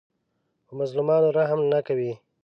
په مظلومانو رحم نه کوي